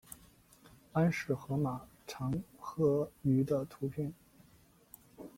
安氏河马长颌鱼的图片